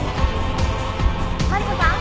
「マリコさん？